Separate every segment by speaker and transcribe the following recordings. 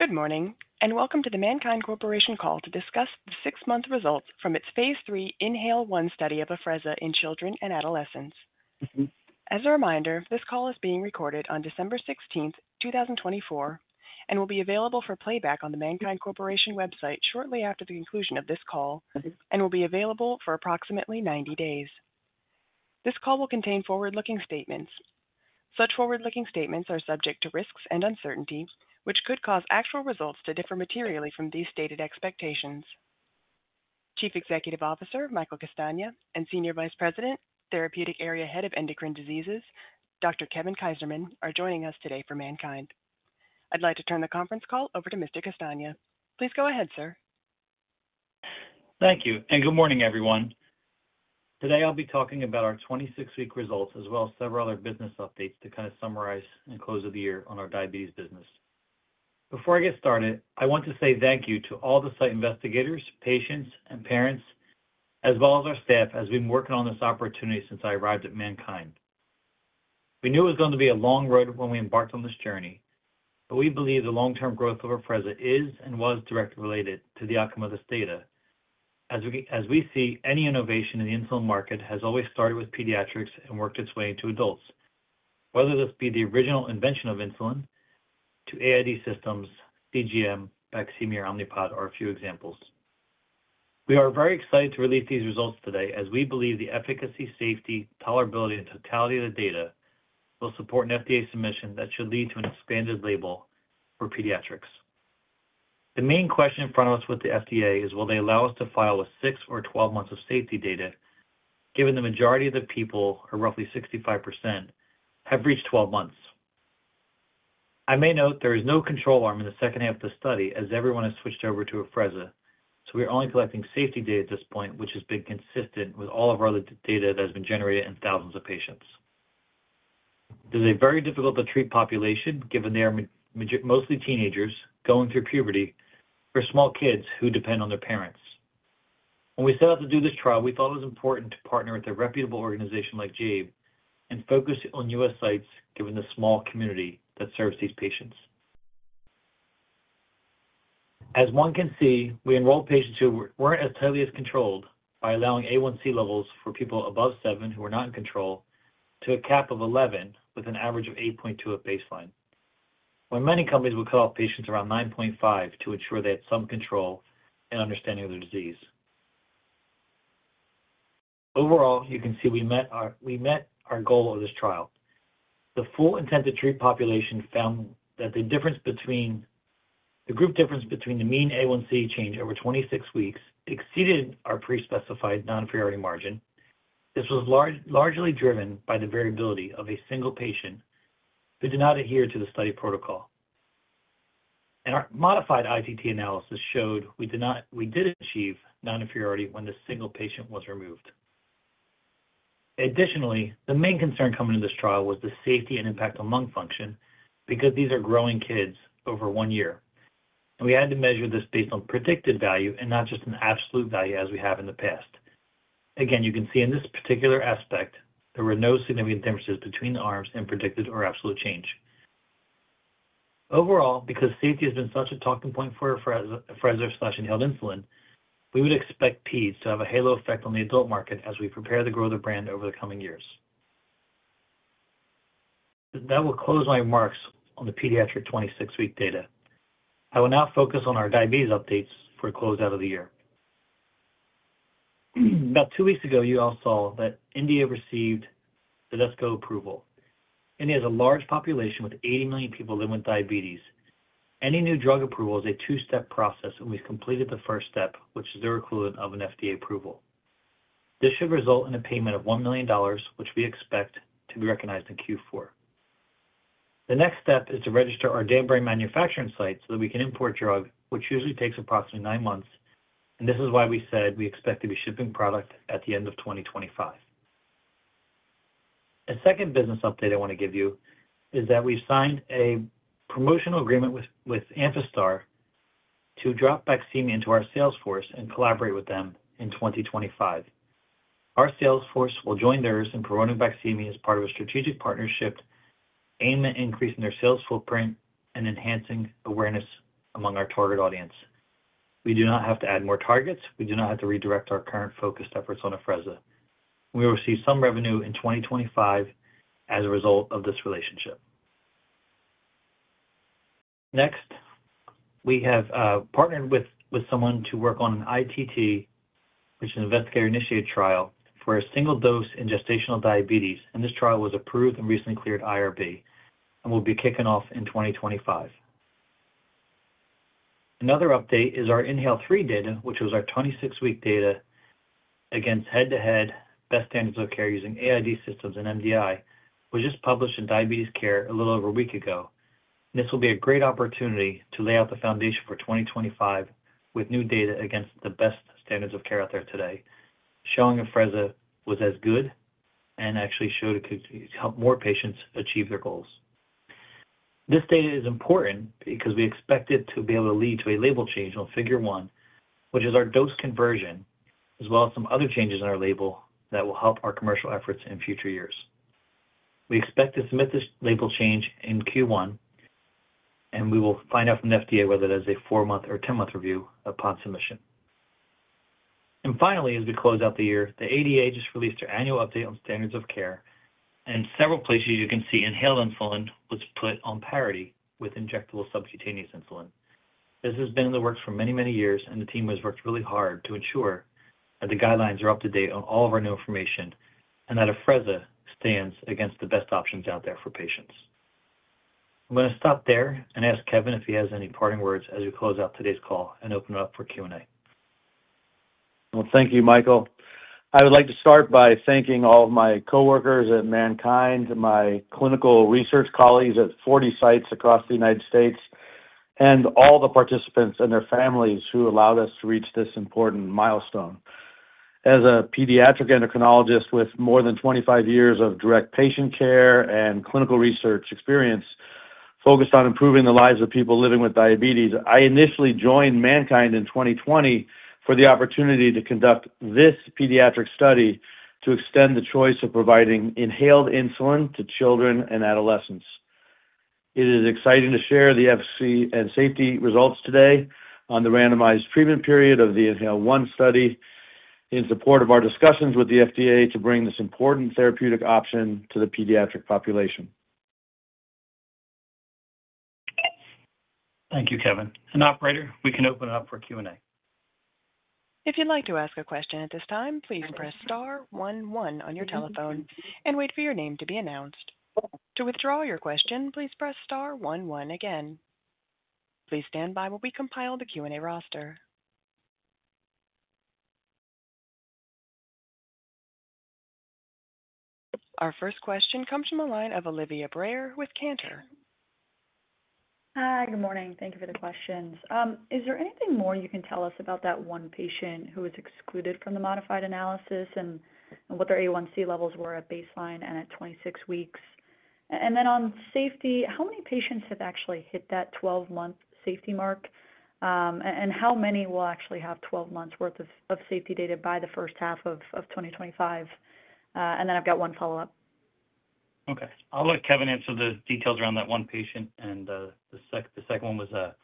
Speaker 1: Good morning, and welcome to the MannKind Corporation call to discuss the six-month results from its phase 3 INHALE-1 study of Afrezza in children and adolescents. As a reminder, this call is being recorded on December 16th, 2024, and will be available for playback on the MannKind Corporation website shortly after the conclusion of this call, and will be available for approximately 90 days. This call will contain forward-looking statements. Such forward-looking statements are subject to risks and uncertainty, which could cause actual results to differ materially from these stated expectations. Chief Executive Officer Michael Castagna and Senior Vice President, Therapeutic Area Head of Endocrine Diseases, Dr. Kevin Kaiserman, are joining us today for MannKind. I'd like to turn the conference call over to Mr. Castagna. Please go ahead, sir.
Speaker 2: Thank you, and good morning, everyone. Today I'll be talking about our 26-week results, as well as several other business updates to kind of summarize and close of the year on our diabetes business. Before I get started, I want to say thank you to all the site investigators, patients, and parents, as well as our staff, as we've been working on this opportunity since I arrived at MannKind. We knew it was going to be a long road when we embarked on this journey, but we believe the long-term growth of Afrezza is and was directly related to the outcome of this data. As we see, any innovation in the insulin market has always started with pediatrics and worked its way into adults, whether this be the original invention of insulin to AID systems, CGM, Baqsimi, or Omnipod, are a few examples. We are very excited to release these results today, as we believe the efficacy, safety, tolerability, and totality of the data will support an FDA submission that should lead to an expanded label for pediatrics. The main question in front of us with the FDA is, will they allow us to file with six or twelve months of safety data, given the majority of the people, or roughly 65%, have reached twelve months? I may note there is no control arm in the second half of the study, as everyone has switched over to Afrezza, so we are only collecting safety data at this point, which has been consistent with all of our other data that has been generated in thousands of patients. This is a very difficult-to-treat population, given they are mostly teenagers going through puberty or small kids who depend on their parents. When we set out to do this trial, we thought it was important to partner with a reputable organization like Jaeb and focus on U.S. sites, given the small community that serves these patients. As one can see, we enrolled patients who weren't as tightly controlled by allowing A1C levels for people above seven who were not in control to a cap of 11, with an average of 8.2 at baseline, when many companies would cut off patients around 9.5 to ensure they had some control and understanding of the disease. Overall, you can see we met our goal of this trial. The full intent-to-treat population found that the group difference between the mean A1C change over 26 weeks exceeded our pre-specified noninferiority margin. This was largely driven by the variability of a single patient who did not adhere to the study protocol. Our modified ITT analysis showed we did achieve noninferiority when the single patient was removed. Additionally, the main concern coming to this trial was the safety and impact on lung function, because these are growing kids over one year. We had to measure this based on predicted value and not just an absolute value as we have in the past. Again, you can see in this particular aspect, there were no significant differences between the arms and predicted or absolute change. Overall, because safety has been such a talking point for Afrezza/inhaled insulin, we would expect peds to have a halo effect on the adult market as we prepare to grow the brand over the coming years. That will close my remarks on the pediatric 26-week data. I will now focus on our diabetes updates for a closeout of the year. About two weeks ago, you all saw that India received the CDSCO approval. India has a large population with 80 million people living with diabetes. Any new drug approval is a two-step process, and we've completed the first step, which is the receipt of an FDA approval. This should result in a payment of $1 million, which we expect to be recognized in Q4. The next step is to register our Danbury manufacturing site so that we can import drug, which usually takes approximately nine months, and this is why we said we expect to be shipping product at the end of 2025. A second business update I want to give you is that we've signed a promotional agreement with Amphastar to drop Baqsimi into our sales force and collaborate with them in 2025. Our salesforce will join theirs in promoting Baqsimi as part of a strategic partnership, aiming at increasing their sales footprint and enhancing awareness among our target audience. We do not have to add more targets. We do not have to redirect our current focused efforts on Afrezza. We will receive some revenue in 2025 as a result of this relationship. Next, we have partnered with someone to work on an ITT, which is an investigator-initiated trial for a single dose in gestational diabetes, and this trial was approved and recently cleared IRB and will be kicking off in 2025. Another update is our INHALE-3 data, which was our 26-week data against head-to-head best standards of care using AID systems and MDI, which was just published in Diabetes Care a little over a week ago. This will be a great opportunity to lay out the foundation for 2025 with new data against the best standards of care out there today, showing Afrezza was as good and actually showed it could help more patients achieve their goals. This data is important because we expect it to be able to lead to a label change on Figure 1, which is our dose conversion, as well as some other changes in our label that will help our commercial efforts in future years. We expect to submit this label change in Q1, and we will find out from the FDA whether that is a four-month or ten-month review upon submission. And finally, as we close out the year, the ADA just released their annual update on standards of care, and in several places, you can see inhaled insulin was put on parity with injectable subcutaneous insulin. This has been in the works for many, many years, and the team has worked really hard to ensure that the guidelines are up to date on all of our new information and that Afrezza stands against the best options out there for patients. I'm going to stop there and ask Kevin if he has any parting words as we close out today's call and open it up for Q&A.
Speaker 3: Thank you, Michael. I would like to start by thanking all of my coworkers at MannKind, my clinical research colleagues at 40 sites across the United States, and all the participants and their families who allowed us to reach this important milestone. As a pediatric endocrinologist with more than 25 years of direct patient care and clinical research experience focused on improving the lives of people living with diabetes, I initially joined MannKind in 2020 for the opportunity to conduct this pediatric study to extend the choice of providing inhaled insulin to children and adolescents. It is exciting to share the efficacy and safety results today on the randomized treatment period of the INHALE-1 study in support of our discussions with the FDA to bring this important therapeutic option to the pediatric population.
Speaker 2: Thank you, Kevin. And operator, we can open it up for Q&A.
Speaker 1: If you'd like to ask a question at this time, please press star one one on your telephone and wait for your name to be announced. To withdraw your question, please press star one one again. Please stand by while we compile the Q&A roster. Our first question comes from the line of Olivia Brayer with Cantor.
Speaker 4: Hi, good morning. Thank you for the questions. Is there anything more you can tell us about that one patient who was excluded from the modified analysis and what their A1C levels were at baseline and at 26 weeks? And then on safety, how many patients have actually hit that 12-month safety mark, and how many will actually have 12 months' worth of safety data by the first half of 2025? And then I've got one follow-up.
Speaker 2: Okay. I'll let Kevin answer the details around that one patient. And the second one was the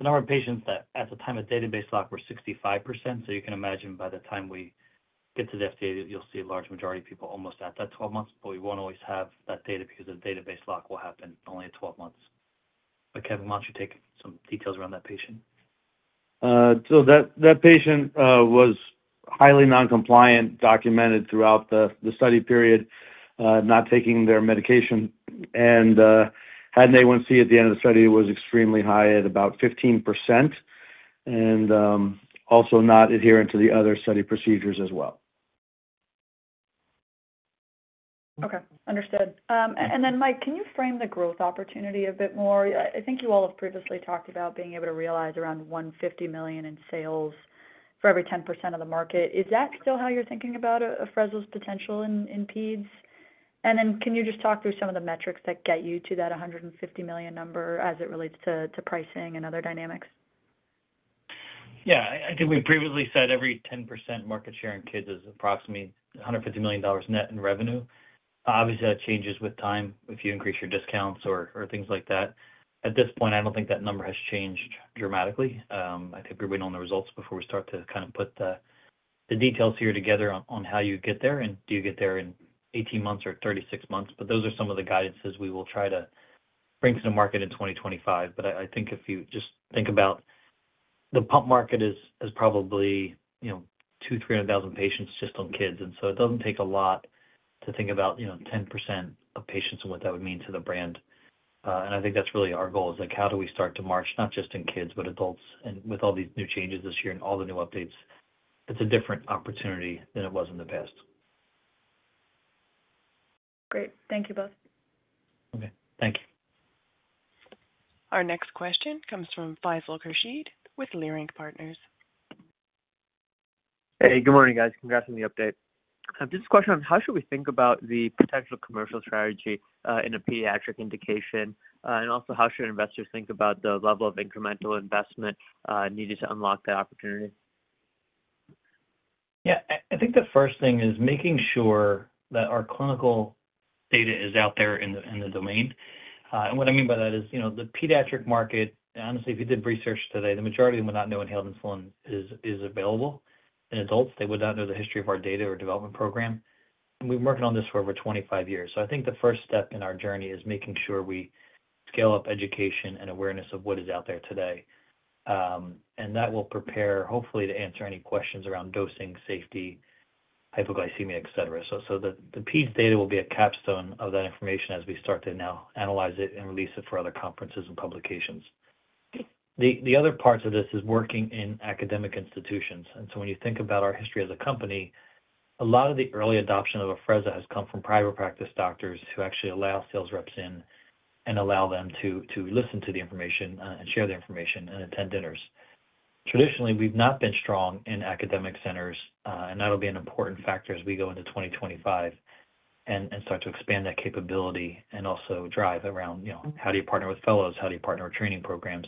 Speaker 2: number of patients that at the time of database lock were 65%. So you can imagine by the time we get to the FDA, you'll see a large majority of people almost at that 12 months, but we won't always have that data because the database lock will happen only at 12 months. But Kevin, why don't you take some details around that patient?
Speaker 3: So that patient was highly noncompliant, documented throughout the study period, not taking their medication, and had an A1C at the end of the study that was extremely high at about 15%, and also not adherent to the other study procedures as well.
Speaker 4: Okay. Understood. And then, Mike, can you frame the growth opportunity a bit more? I think you all have previously talked about being able to realize around $150 million in sales for every 10% of the market. Is that still how you're thinking about Afrezza's potential in peds? And then can you just talk through some of the metrics that get you to that $150 million number as it relates to pricing and other dynamics?
Speaker 2: Yeah. I think we previously said every 10% market share in kids is approximately $150 million net in revenue. Obviously, that changes with time if you increase your discounts or things like that. At this point, I don't think that number has changed dramatically. I think we're waiting on the results before we start to kind of put the details here together on how you get there and do you get there in 18 months or 36 months. But those are some of the guidances we will try to bring to the market in 2025. But I think if you just think about, the pump market is probably 2,000-300,000 patients just on kids. And so it doesn't take a lot to think about 10% of patients and what that would mean to the brand. I think that's really our goal is how do we start to march not just in kids, but adults. With all these new changes this year and all the new updates, it's a different opportunity than it was in the past.
Speaker 4: Great. Thank you both.
Speaker 2: Okay. Thank you.
Speaker 1: Our next question comes from Faisal Khurshid with Leerink Partners.
Speaker 5: Hey, good morning, guys. Congrats on the update. This is a question on how should we think about the potential commercial strategy in a pediatric indication, and also how should investors think about the level of incremental investment needed to unlock that opportunity?
Speaker 2: Yeah. I think the first thing is making sure that our clinical data is out there in the domain, and what I mean by that is the pediatric market. Honestly, if you did research today, the majority of them would not know inhaled insulin is available in adults. They would not know the history of our data or development program, and we've been working on this for over 25 years. So I think the first step in our journey is making sure we scale up education and awareness of what is out there today, and that will prepare, hopefully, to answer any questions around dosing, safety, hypoglycemia, etc. So the peds data will be a capstone of that information as we start to now analyze it and release it for other conferences and publications. The other parts of this is working in academic institutions. When you think about our history as a company, a lot of the early adoption of Afrezza has come from private practice doctors who actually allow sales reps in and allow them to listen to the information and share the information and attend dinners. Traditionally, we've not been strong in academic centers, and that'll be an important factor as we go into 2025 and start to expand that capability and also drive around how do you partner with fellows, how do you partner with training programs,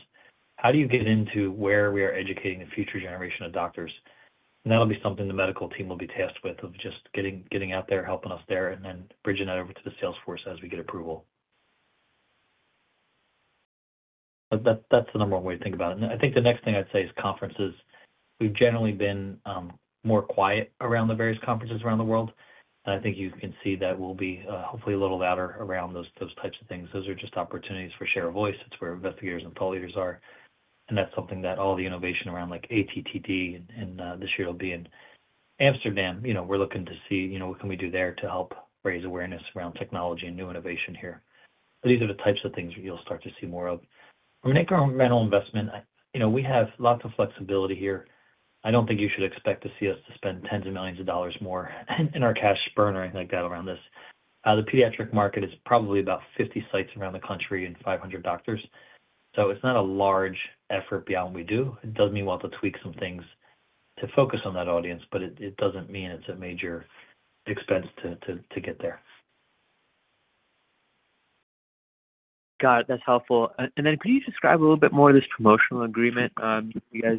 Speaker 2: how do you get into where we are educating the future generation of doctors. That'll be something the medical team will be tasked with of just getting out there, helping us there, and then bridging that over to the salesforce as we get approval. That's the number one way to think about it. I think the next thing I'd say is conferences. We've generally been more quiet around the various conferences around the world, and I think you can see that we'll be hopefully a little louder around those types of things. Those are just opportunities for share of voice. It's where investigators and thought leaders are, and that's something that all the innovation around ATTD, and this year it'll be in Amsterdam. We're looking to see what can we do there to help raise awareness around technology and new innovation here. These are the types of things that you'll start to see more of. We're going to make our incremental investment. We have lots of flexibility here. I don't think you should expect to see us to spend tens of millions of dollars more in our cash burn or anything like that around this. The pediatric market is probably about 50 sites around the country and 500 doctors. So it's not a large effort beyond what we do. It does mean we'll have to tweak some things to focus on that audience, but it doesn't mean it's a major expense to get there.
Speaker 5: Got it. That's helpful. And then could you describe a little bit more of this promotional agreement you guys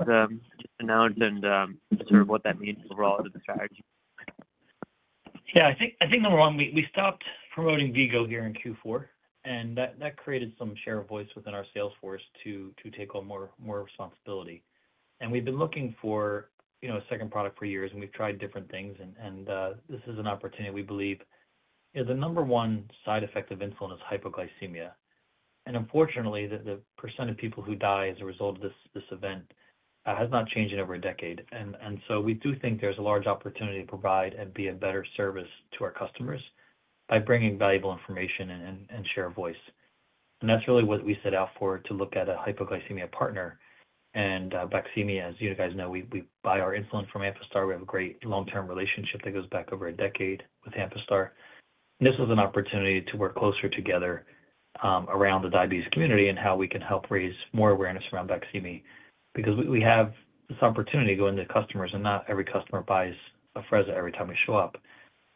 Speaker 5: just announced and sort of what that means overall to the strategy?
Speaker 2: Yeah. I think number one, we stopped promoting V-Go here in Q4, and that created some share of voice within our salesforce to take on more responsibility. And we've been looking for a second product for years, and we've tried different things. And this is an opportunity we believe the number one side effect of insulin is hypoglycemia. And unfortunately, the percent of people who die as a result of this event has not changed in over a decade. And so we do think there's a large opportunity to provide and be a better service to our customers by bringing valuable information and share of voice. And that's really what we set out for to look at a hypoglycemia partner. And Baqsimi, as you guys know, we buy our insulin from Amphastar. We have a great long-term relationship that goes back over a decade with Amphastar. And this was an opportunity to work closer together around the diabetes community and how we can help raise more awareness around Baqsimi because we have this opportunity to go into customers, and not every customer buys Afrezza every time we show up.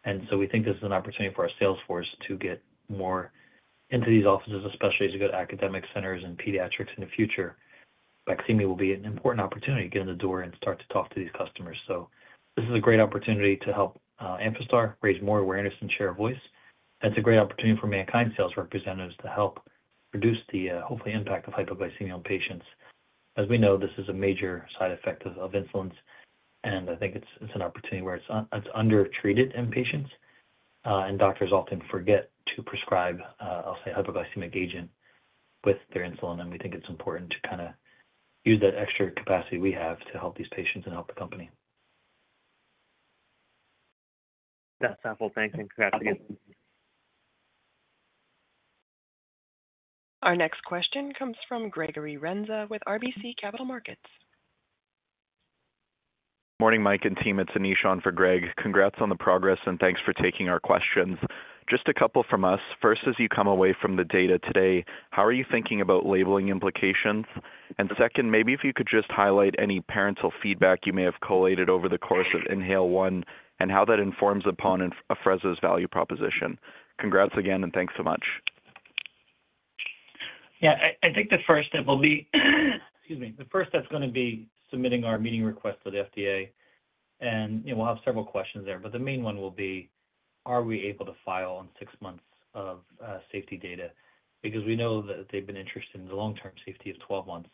Speaker 2: And so we think this is an opportunity for our salesforce to get more into these offices, especially as you go to academic centers and pediatrics in the future. Baqsimi will be an important opportunity to get in the door and start to talk to these customers. So this is a great opportunity to help Amphastar raise more awareness and share of voice. And it's a great opportunity for MannKind sales representatives to help reduce the hopefully impact of hypoglycemia on patients. As we know, this is a major side effect of insulins. And I think it's an opportunity where it's undertreated in patients. Doctors often forget to prescribe, I'll say, a hypoglycemic agent with their insulin. We think it's important to kind of use that extra capacity we have to help these patients and help the company.
Speaker 5: That's helpful. Thanks. And congrats again.
Speaker 1: Our next question comes from Gregory Renza with RBC Capital Markets. Morning, Mike and team. It's Anish for Greg. Congrats on the progress, and thanks for taking our questions. Just a couple from us. First, as you come away from the data today, how are you thinking about labeling implications? And second, maybe if you could just highlight any parental feedback you may have collated over the course of INHALE-1 and how that informs upon Afrezza's value proposition. Congrats again, and thanks so much.
Speaker 2: Yeah. I think the first step will be, excuse me, the first step's going to be submitting our meeting request to the FDA. And we'll have several questions there. But the main one will be, are we able to file on six months of safety data? Because we know that they've been interested in the long-term safety of 12 months.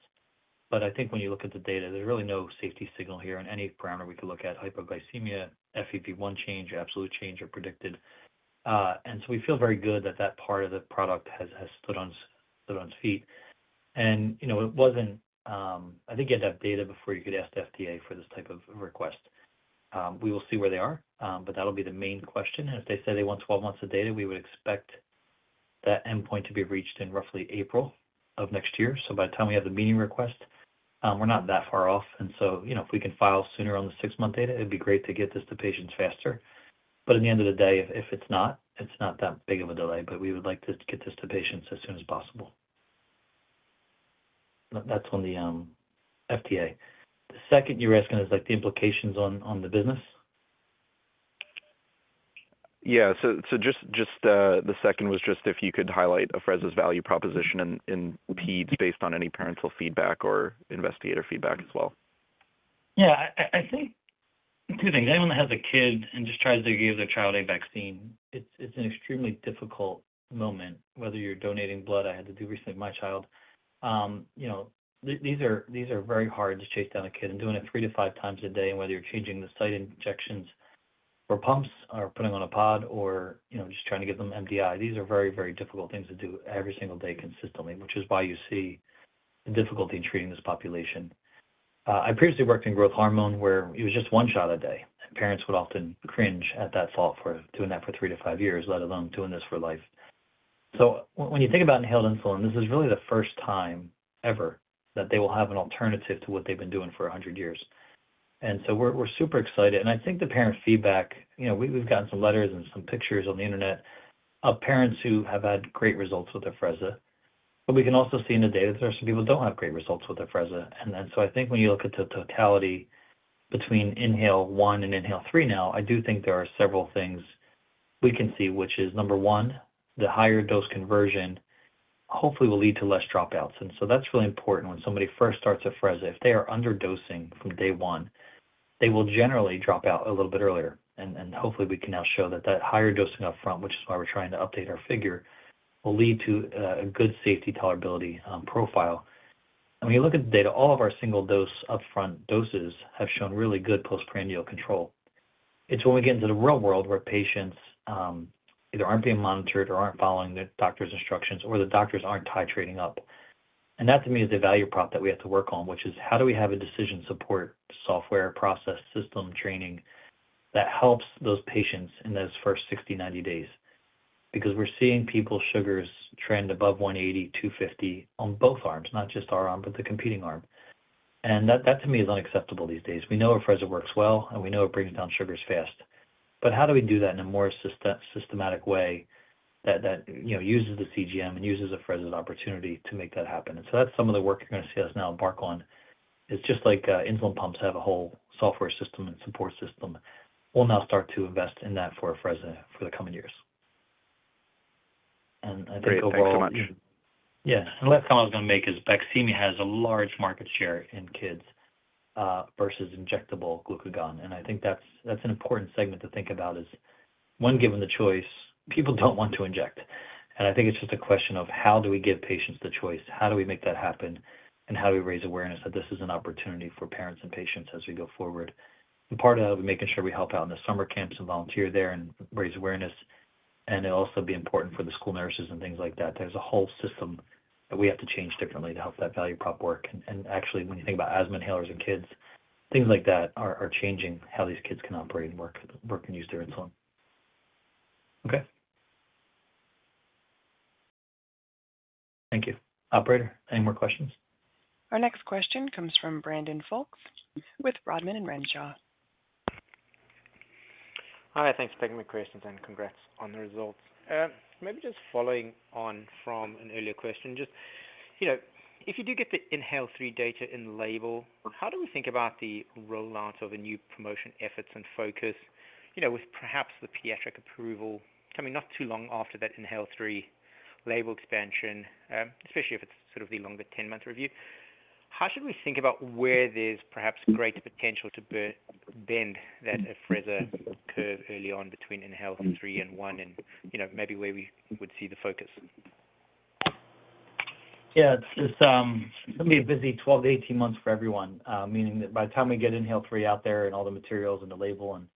Speaker 2: But I think when you look at the data, there's really no safety signal here in any parameter we could look at: hypoglycemia, FEV1 change, absolute change, or predicted. And so we feel very good that that part of the product has stood on its feet. And it wasn't, I think you had to have data before you could ask the FDA for this type of request. We will see where they are, but that'll be the main question. And if they say they want 12 months of data, we would expect that endpoint to be reached in roughly April of next year. So by the time we have the meeting request, we're not that far off. And so if we can file sooner on the six-month data, it'd be great to get this to patients faster. But at the end of the day, if it's not, it's not that big of a delay. But we would like to get this to patients as soon as possible. That's on the FDA. The second you were asking is the implications on the business? Yeah. So just the second was just if you could highlight Afrezza's value proposition in peds based on any parental feedback or investigator feedback as well? Yeah. I think two things. Anyone that has a kid and just tries to give their child a vaccine, it's an extremely difficult moment, whether you're donating blood. I had to do recently with my child. These are very hard to chase down a kid, and doing it three to five times a day, whether you're changing the site injections or pumps or putting on a pod or just trying to give them MDI, these are very, very difficult things to do every single day consistently, which is why you see the difficulty in treating this population. I previously worked in growth hormone where it was just one shot a day, and parents would often cringe at that thought for doing that for three to five years, let alone doing this for life. So when you think about inhaled insulin, this is really the first time ever that they will have an alternative to what they've been doing for 100 years. And so we're super excited. And I think the parent feedback - we've gotten some letters and some pictures on the internet of parents who have had great results with Afrezza. But we can also see in the data that there are some people who don't have great results with Afrezza. And so I think when you look at the totality between INHALE-1 and INHALE-3 now, I do think there are several things we can see, which is, number one, the higher dose conversion hopefully will lead to less dropouts. And so that's really important when somebody first starts Afrezza. If they are underdosing from day one, they will generally drop out a little bit earlier. And hopefully, we can now show that that higher dosing upfront, which is why we're trying to update our figure, will lead to a good safety tolerability profile. And when you look at the data, all of our single-dose upfront doses have shown really good postprandial control. It's when we get into the real world where patients either aren't being monitored or aren't following the doctor's instructions, or the doctors aren't titrating up. And that, to me, is the value prop that we have to work on, which is how do we have a decision support software process system training that helps those patients in those first 60, 90 days? Because we're seeing people's sugars trend above 180, 250 on both arms, not just our arm, but the competing arm. And that, to me, is unacceptable these days. We know Afrezza works well, and we know it brings down sugars fast. But how do we do that in a more systematic way that uses the CGM and uses Afrezza's opportunity to make that happen? And so that's some of the work you're going to see us now embark on. It's just like insulin pumps have a whole software system and support system. We'll now start to invest in that for Afrezza for the coming years. And I think overall. Great. Thanks so much. Yeah. And the last comment I was going to make is Baqsimi has a large market share in kids versus injectable glucagon. And I think that's an important segment to think about is, one, given the choice, people don't want to inject. And I think it's just a question of how do we give patients the choice? How do we make that happen? And how do we raise awareness that this is an opportunity for parents and patients as we go forward? And part of that will be making sure we help out in the summer camps and volunteer there and raise awareness. And it'll also be important for the school nurses and things like that. There's a whole system that we have to change differently to help that value prop work. Actually, when you think about asthma inhalers in kids, things like that are changing how these kids can operate and work and use their insulin. Okay. Thank you. Operator, any more questions?
Speaker 1: Our next question comes from Brandon Folkes with Rodman & Renshaw.
Speaker 6: Hi. Thanks for taking the question, and congrats on the results. Maybe just following on from an earlier question, just if you do get the INHALE-3 data in label, how do we think about the rollout of a new promotion efforts and focus with perhaps the pediatric approval coming not too long after that INHALE-3 label expansion, especially if it's sort of the longer 10-month review? How should we think about where there's perhaps greater potential to bend that Afrezza curve early on between INHALE-3 and INHALE-1 and maybe where we would see the focus?
Speaker 2: Yeah. It's going to be a busy 12 to 18 months for everyone, meaning that by the time we get INHALE-3 out there and all the materials and the label and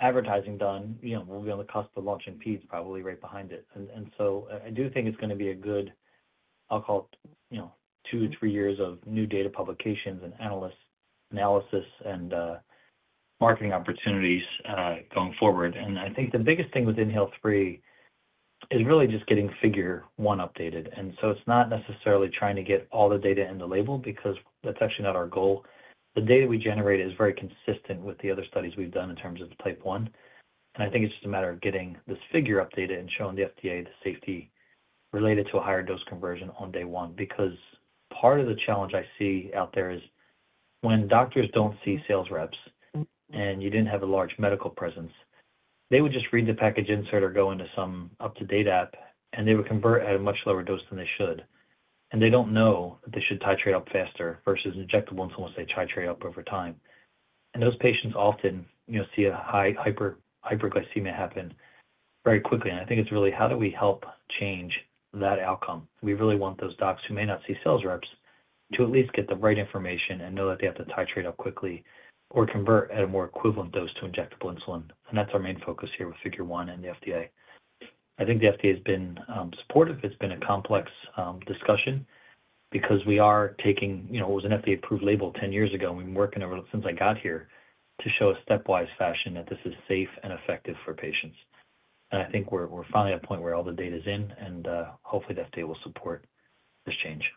Speaker 2: advertising done, we'll be on the cusp of launching PEEDS probably right behind it. And so I do think it's going to be a good, I'll call it two to three years of new data publications and analysts' analysis and marketing opportunities going forward. And I think the biggest thing with INHALE-3 is really just getting Figure 1 updated. And so it's not necessarily trying to get all the data in the label because that's actually not our goal. The data we generate is very consistent with the other studies we've done in terms of type 1. And I think it's just a matter of getting this figure updated and showing the FDA the safety related to a higher dose conversion on day one. Because part of the challenge I see out there is when doctors don't see sales reps and you didn't have a large medical presence, they would just read the package insert or go into some up-to-date app, and they would convert at a much lower dose than they should. And they don't know that they should titrate up faster versus injectable insulin once they titrate up over time. And those patients often see a high hypoglycemia happen very quickly. And I think it's really how do we help change that outcome? We really want those docs who may not see sales reps to at least get the right information and know that they have to titrate up quickly or convert at a more equivalent dose to injectable insulin. And that's our main focus here with Figure 1 and the FDA. I think the FDA has been supportive. It's been a complex discussion because we are taking. It was an FDA-approved label 10 years ago. And we've been working ever since I got here to show a stepwise fashion that this is safe and effective for patients. And I think we're finally at a point where all the data is in, and hopefully, the FDA will support this change.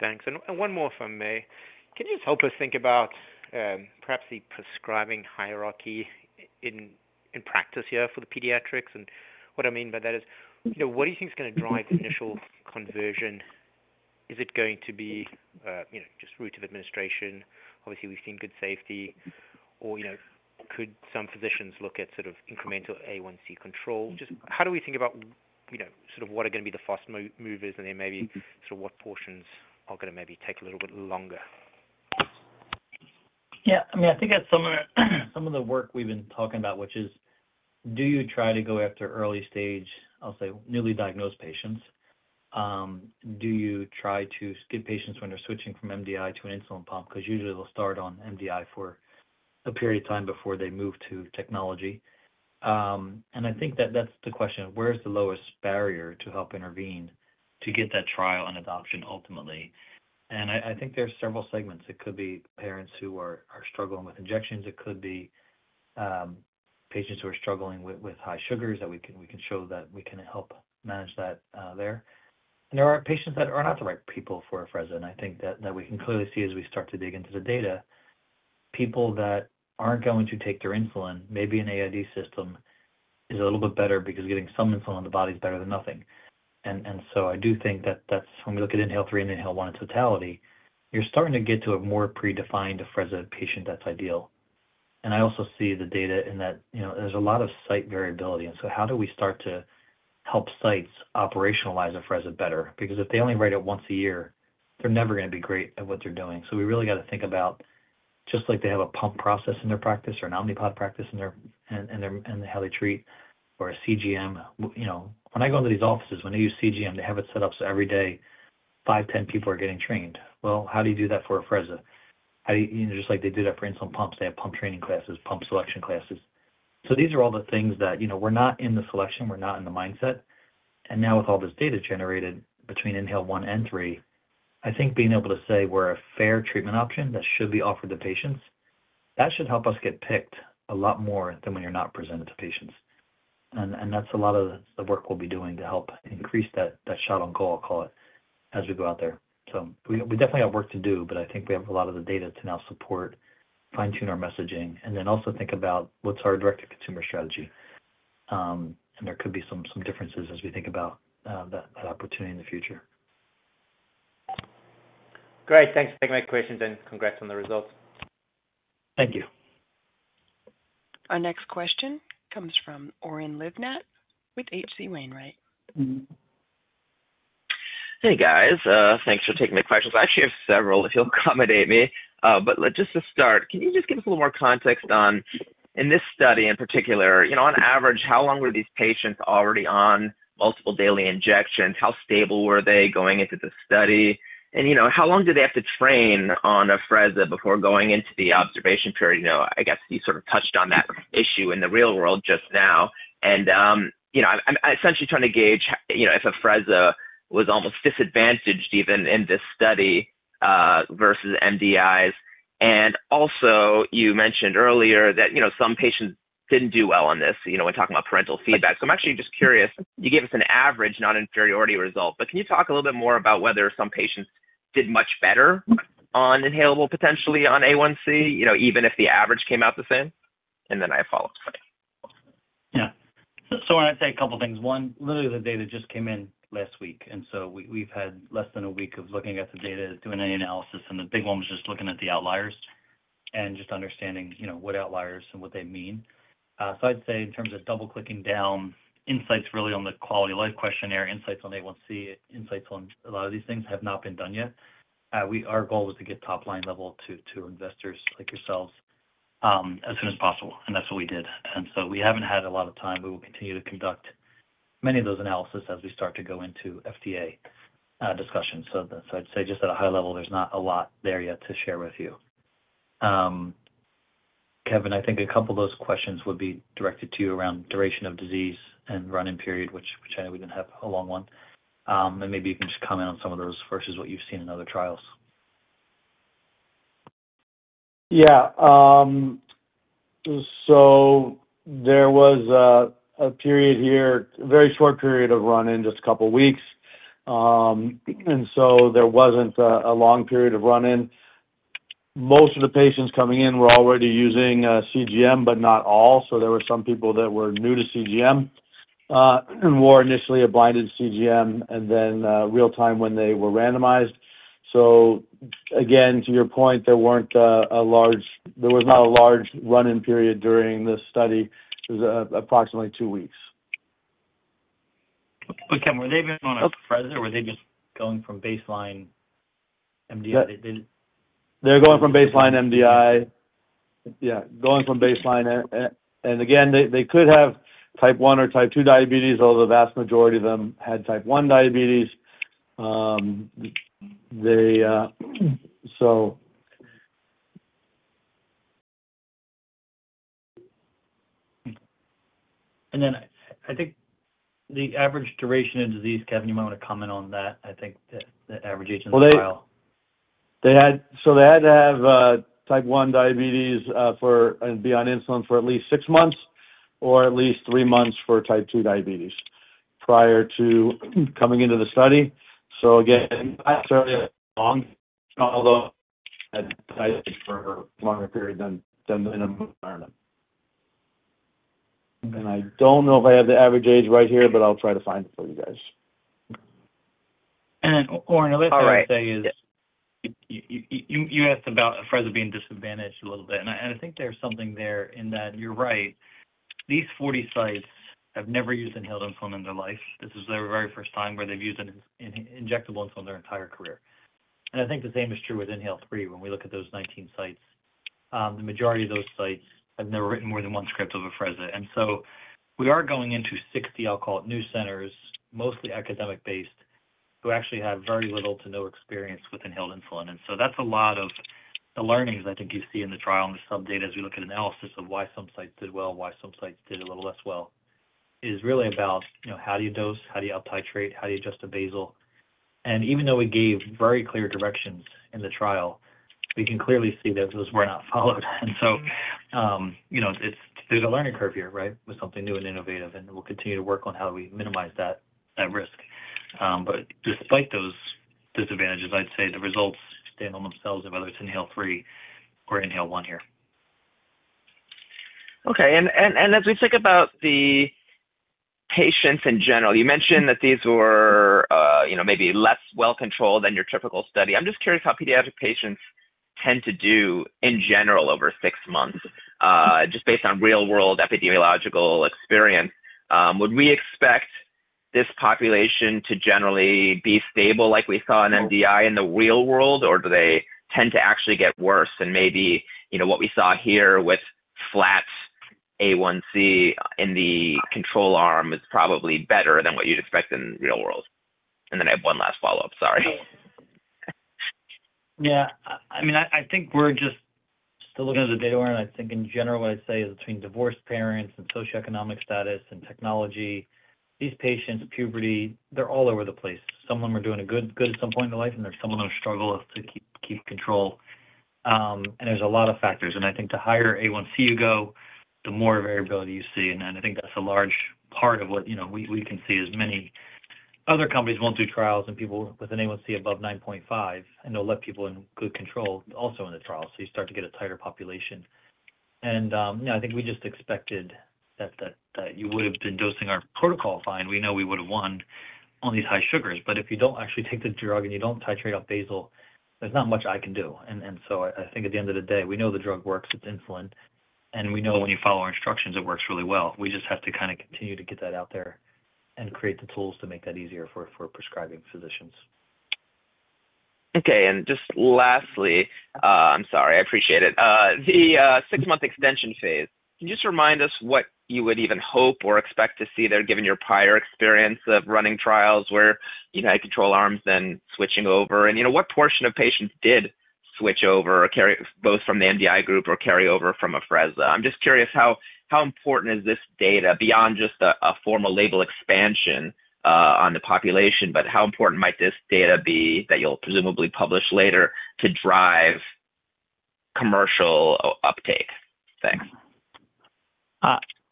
Speaker 6: Thanks. And one more if I may. Can you just help us think about perhaps the prescribing hierarchy in practice here for the pediatrics? And what I mean by that is, what do you think is going to drive the initial conversion? Is it going to be just route of administration? Obviously, we've seen good safety. Or could some physicians look at sort of incremental A1C control? Just how do we think about sort of what are going to be the fast movers? And then maybe sort of what portions are going to maybe take a little bit longer?
Speaker 2: Yeah. I mean, I think that some of the work we've been talking about, which is, do you try to go after early stage, I'll say, newly diagnosed patients? Do you try to get patients when they're switching from MDI to an insulin pump? Because usually, they'll start on MDI for a period of time before they move to technology. And I think that that's the question. Where's the lowest barrier to help intervene to get that trial and adoption ultimately? And I think there's several segments. It could be parents who are struggling with injections. It could be patients who are struggling with high sugars that we can show that we can help manage that there. And there are patients that are not the right people for Afrezza. I think that we can clearly see as we start to dig into the data, people that aren't going to take their insulin. Maybe an AID system is a little bit better because getting some insulin in the body is better than nothing, and so I do think that when we look at INHALE-3 and INHALE-1 in totality, you're starting to get to a more predefined Afrezza patient that's ideal. I also see the data in that there's a lot of site variability, and so how do we start to help sites operationalize Afrezza better? Because if they only write it once a year, they're never going to be great at what they're doing, so we really got to think about just like they have a pump process in their practice or an Omnipod practice in how they treat or a CGM. When I go into these offices, when they use CGM, they have it set up so every day, five, 10 people are getting trained, well, how do you do that for Afrezza? Just like they do that for insulin pumps, they have pump training classes, pump selection classes, so these are all the things that we're not in the selection. We're not in the mindset, and now with all this data generated between INHALE-1 and INHALE-3, I think being able to say we're a fair treatment option that should be offered to patients, that should help us get picked a lot more than when you're not presented to patients, and that's a lot of the work we'll be doing to help increase that shot on goal, I'll call it, as we go out there. So we definitely have work to do, but I think we have a lot of the data to now support, fine-tune our messaging, and then also think about what's our direct-to-consumer strategy. And there could be some differences as we think about that opportunity in the future.
Speaker 6: Great. Thanks for taking my questions and congrats on the results.
Speaker 2: Thank you.
Speaker 1: Our next question comes from Oren Livnat with H.C. Wainwright.
Speaker 7: Hey, guys. Thanks for taking my questions. I actually have several if you'll accommodate me. But just to start, can you just give us a little more context on, in this study in particular, on average, how long were these patients already on multiple daily injections? How stable were they going into the study? And how long did they have to train on Afrezza before going into the observation period? I guess you sort of touched on that issue in the real world just now. And I'm essentially trying to gauge if Afrezza was almost disadvantaged even in this study versus MDIs. And also, you mentioned earlier that some patients didn't do well on this when talking about parental feedback. So I'm actually just curious. You gave us an average non-inferiority result. But can you talk a little bit more about whether some patients did much better on inhalable potentially on A1C, even if the average came out the same? And then I follow up.
Speaker 2: Yeah. So I'd say a couple of things. One, literally, the data just came in last week. And so we've had less than a week of looking at the data, doing any analysis. And the big one was just looking at the outliers and just understanding what outliers and what they mean. So I'd say in terms of double-clicking down, insights really on the quality of life questionnaire, insights on A1C, insights on a lot of these things have not been done yet. Our goal was to get top-line level to investors like yourselves as soon as possible. And that's what we did. And so we haven't had a lot of time. We will continue to conduct many of those analyses as we start to go into FDA discussions. So I'd say just at a high level, there's not a lot there yet to share with you. Kevin, I think a couple of those questions would be directed to you around duration of disease and run-in period, which I know we didn't have a long one, and maybe you can just comment on some of those versus what you've seen in other trials.
Speaker 3: Yeah, so there was a period here, a very short period of run-in, just a couple of weeks, and so there wasn't a long period of run-in. Most of the patients coming in were already using CGM, but not all, so there were some people that were new to CGM and wore initially a blinded CGM and then real-time when they were randomized, so again, to your point, there was not a large run-in period during this study. It was approximately two weeks.
Speaker 7: But Kevin, were they even on Afrezza? Were they just going from baseline MDI?
Speaker 3: Yeah. They're going from baseline MDI. Yeah. Going from baseline. And again, they could have Type 1 or Type 2 diabetes, although the vast majority of them had Type 1 diabetes. So.
Speaker 2: And then I think the average duration of disease, Kevin, you might want to comment on that. I think the average age in the trial.
Speaker 3: So they had to have type 1 diabetes and be on insulin for at least six months or at least three months for type 2 diabetes prior to coming into the study. So again, not terribly long, although I'd say for a longer period than the environment. And I don't know if I have the average age right here, but I'll try to find it for you guys.
Speaker 2: Then, Oren.
Speaker 7: I'd like to say is you asked about Afrezza being disadvantaged a little bit. I think there's something there in that you're right. These 40 sites have never used inhaled insulin in their life. This is their very first time where they've used inhaled insulin their entire career. I think the same is true with INHALE-3. When we look at those 19 sites, the majority of those sites have never written more than one script of Afrezza. So we are going into 60, I'll call it, new centers, mostly academic-based, who actually have very little to no experience with inhaled insulin. And so that's a lot of the learnings I think you see in the trial and the sub-data as we look at analysis of why some sites did well, why some sites did a little less well, is really about how do you dose, how do you up-titrate, how do you adjust the basal. And even though we gave very clear directions in the trial, we can clearly see that those were not followed. And so there's a learning curve here, right, with something new and innovative. And we'll continue to work on how do we minimize that risk. But despite those disadvantages, I'd say the results stand on themselves of whether it's INHALE-3 or INHALE-1 here. Okay. And as we think about the patients in general, you mentioned that these were maybe less well-controlled than your typical study. I'm just curious how pediatric patients tend to do in general over six months, just based on real-world epidemiological experience. Would we expect this population to generally be stable like we saw in MDI in the real world, or do they tend to actually get worse? And maybe what we saw here with flat A1C in the control arm is probably better than what you'd expect in the real world. And then I have one last follow-up. Sorry.
Speaker 2: Yeah. I mean, I think we're just still looking at the data order. And I think in general, what I'd say is between divorced parents and socioeconomic status and technology, these patients, puberty, they're all over the place. Some of them are doing good at some point in their life, and there's some of them who struggle to keep control. And there's a lot of factors. And I think the higher A1C you go, the more variability you see. And I think that's a large part of what we can see is many other companies won't do trials in people with an A1C above 9.5, and they'll let people in good control also in the trial. So you start to get a tighter population. And I think we just expected that you would have been dosing our protocol fine. We know we would have won on these high sugars. But if you don't actually take the drug and you don't titrate up basal, there's not much I can do. And so I think at the end of the day, we know the drug works. It's insulin. And we know when you follow our instructions, it works really well. We just have to kind of continue to get that out there and create the tools to make that easier for prescribing physicians.
Speaker 7: Okay. And just lastly, I'm sorry. I appreciate it, the six-month extension phase. Can you just remind us what you would even hope or expect to see there, given your prior experience of running trials where you had control arms then switching over? And what portion of patients did switch over, both from the MDI group or carry over from Afrezza? I'm just curious how important is this data beyond just a formal label expansion on the population, but how important might this data be that you'll presumably publish later to drive commercial uptake? Thanks.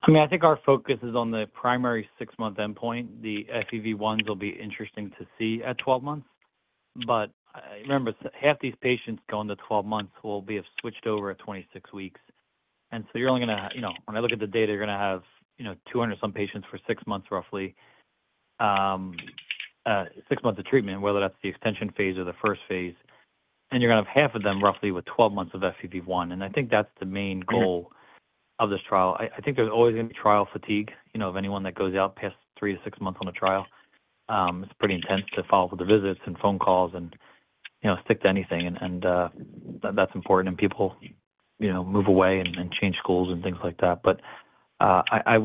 Speaker 2: I mean, I think our focus is on the primary six-month endpoint. The FEV1s will be interesting to see at 12 months, but remember, half these patients going to 12 months will be switched over at 26 weeks. And so you're only going to, when I look at the data, you're going to have 200-some patients for six months, roughly, six months of treatment, whether that's the extension phase or the first phase, and you're going to have half of them roughly with 12 months of FEV1. And I think that's the main goal of this trial. I think there's always going to be trial fatigue of anyone that goes out past three to six months on a trial. It's pretty intense to follow up with the visits and phone calls and stick to anything, and that's important, and people move away and change schools and things like that. But I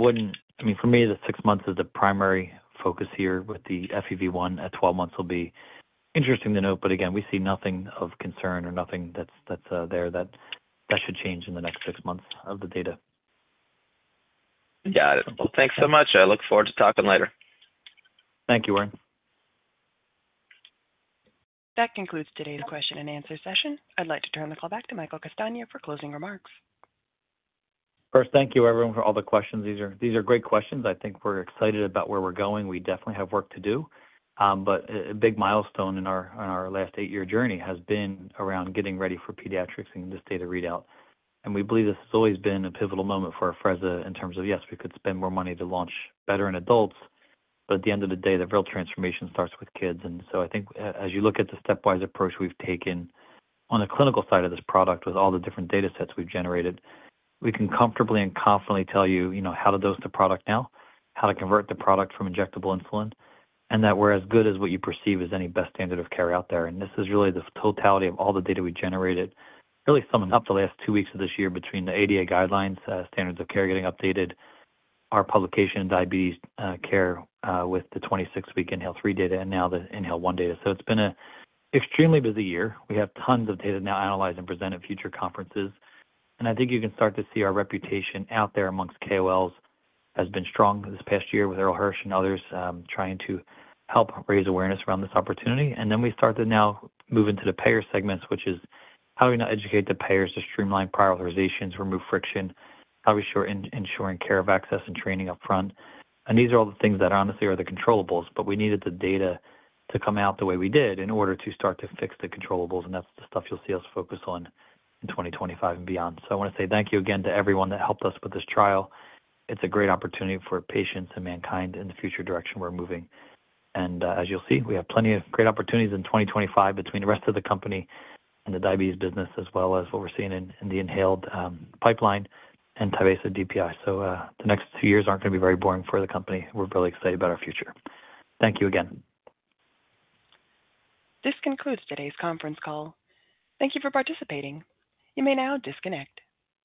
Speaker 2: mean, for me, the six months is the primary focus here with the FEV1. At 12 months, it'll be interesting to note. But again, we see nothing of concern or nothing that's there that should change in the next six months of the data.
Speaker 7: Got it. Well, thanks so much. I look forward to talking later.
Speaker 2: Thank you, Oren.
Speaker 1: That concludes today's question and answer session. I'd like to turn the call back to Michael Castagna for closing remarks.
Speaker 2: First, thank you, everyone, for all the questions. These are great questions. I think we're excited about where we're going. We definitely have work to do, but a big milestone in our last eight-year journey has been around getting ready for pediatrics and the state of readout, and we believe this has always been a pivotal moment for Afrezza in terms of, yes, we could spend more money to launch better in adults, but at the end of the day, the real transformation starts with kids. And so I think as you look at the stepwise approach we've taken on the clinical side of this product with all the different data sets we've generated, we can comfortably and confidently tell you how to dose the product now, how to convert the product from injectable insulin, and that we're as good as what you perceive as any best standard of care out there. And this is really the totality of all the data we generated, really summing up the last two weeks of this year between the ADA guidelines, standards of care getting updated, our publication in Diabetes Care with the 26-week INHALE-3 data and now the INHALE-1 data. So it's been an extremely busy year. We have tons of data now analyzed and presented at future conferences. And I think you can start to see our reputation out there amongst KOLs has been strong this past year with Irl Hirsch and others trying to help raise awareness around this opportunity. And then we start to now move into the payer segments, which is how do we now educate the payers to streamline prior authorizations, remove friction, how do we ensure ease of access and training upfront? And these are all the things that honestly are the controllables, but we needed the data to come out the way we did in order to start to fix the controllables, and that's the stuff you'll see us focus on in 2025 and beyond. So I want to say thank you again to everyone that helped us with this trial. It's a great opportunity for patients and MannKind in the future direction we're moving. And as you'll see, we have plenty of great opportunities in 2025 between the rest of the company and the diabetes business, as well as what we're seeing in the inhaled pipeline and Tyvaso DPI. So the next two years aren't going to be very boring for the company. We're really excited about our future. Thank you again.
Speaker 1: This concludes today's conference call. Thank you for participating. You may now disconnect.